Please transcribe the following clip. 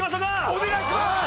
お願いします！